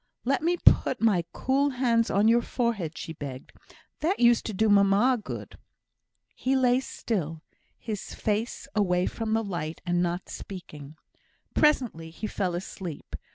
"Let me put my cool hands on your forehead," she begged; "that used to do mamma good." He lay still, his face away from the light, and not speaking. Presently he fell asleep.